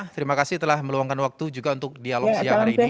terima kasih telah meluangkan waktu juga untuk dialog siang hari ini